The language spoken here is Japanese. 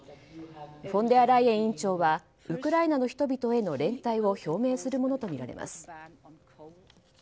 フォンデアライエン委員長はウクライナの人々への連帯を表明するものとみられます。